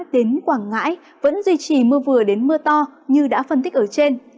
đến quảng ngãi vẫn duy trì mưa vừa đến mưa to như đã phân tích ở trên